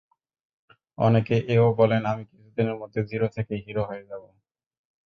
অনেকে এ-ও বললেন, আমি কিছুদিনের মধ্যে হিরো থেকে জিরো হয়ে যাব।